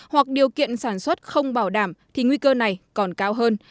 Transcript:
hoặc điều kiện sản xuất không bảo đảm thì nguy cơ này còn cao hơn